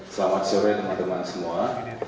selamat sore teman teman semua